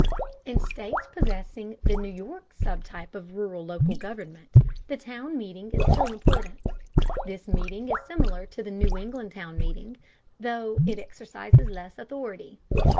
In states possessing the New York sub type of rural local government, the town meeting is still important. This meeting is similar to the New England town meeting, though it exercises less authority.